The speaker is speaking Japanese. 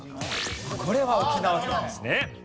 これは沖縄県ですね。